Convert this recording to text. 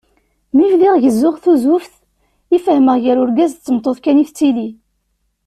Mi bdiɣ gezzuɣ tuzzuft i fehmeɣ gar urgaz d tmeṭṭut kan i tettili.